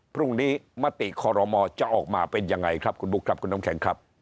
พรุ่งนี้มติคอรมอจะออกมาเป็นยังไงครับคุณบุ๊คครับคุณน้ำแข็งครับ